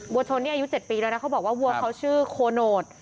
วัชนนี่อายุ๗ปีแล้วนะเขาบอกว่าวัวเขาชื่อโคโนต